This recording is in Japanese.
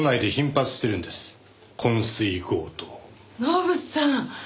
ノブさん